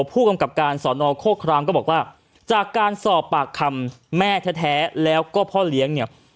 ผู้กำกับการสอนอโคครามก็บอกว่าจากการสอบปากคำแม่แท้แล้วก็พ่อเลี้ยงเนี่ย